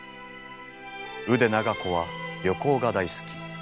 腕長子は旅行が大好き。